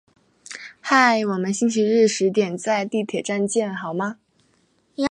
嗨，我们星期日十点在地铁站见好吗？